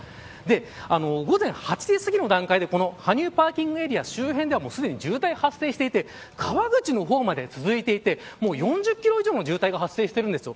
午前８時すぎの段階で羽生パーキングエリア周辺ではすでに渋滞が発生していて川口の方まで続いていて４０キロ以上の渋滞が発生しているんですよ。